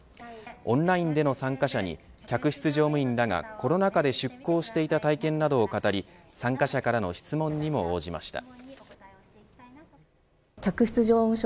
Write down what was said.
オンラインでの参加者に客室乗務員らが、コロナ禍で出向していた体験などを語り参加者からの質問にも応じました。